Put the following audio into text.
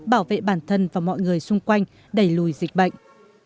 bảo vệ bản thân và mọi người xung quanh đẩy lùi dịch bệnh